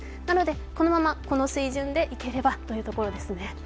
なのでこのままこの水準でいければというところですね。